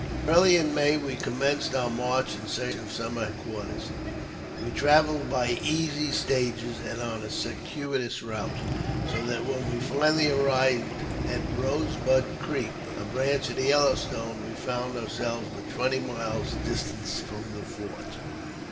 Early in May we commenced our march in search of summer quarters. We travelled by easy stages, and on a circuitous route, so that when we finally arrived at Eosebud Creek, a branch of the Yellow Stone, we found ourselves but twenty miles distant from the fort.